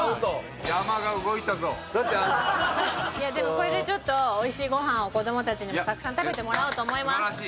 これでおいしいご飯を子供たちにもたくさん食べてもらおうと思います。